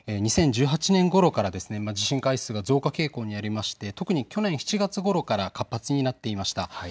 ２０１８年ごろから地震回数が増加傾向にありまして特に去年７月ごろから活発になっていました。